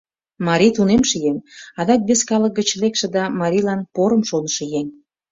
Марий тунемше еҥ, адак вес калык гыч лекше да марийлан порым шонышо еҥ.